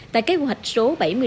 tại kế hoạch số bảy mươi sáu